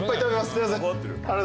すいません。